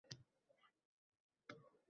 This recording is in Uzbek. O`qishga ham tayyorlanasan